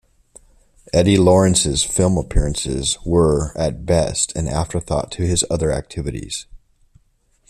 Eddie Lawrence's film appearances were, at best, an afterthought to his other activities.